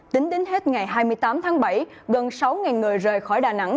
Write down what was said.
tính đến hết ngày hai mươi tám tháng bảy gần sáu người rời khỏi đà nẵng